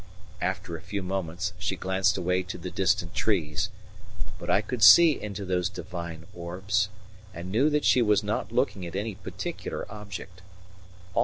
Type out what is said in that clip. After a few moments she glanced away to the distant trees. But I could see into those divine orbs, and knew that she was not looking at any particular object.